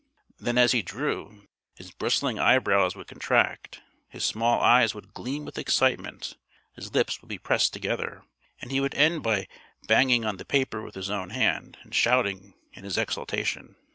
Then as he drew, his bristling eyebrows would contract, his small eyes would gleam with excitement, his lips would be pressed together, and he would end by banging on the paper with his open hand, and shouting in his exultation.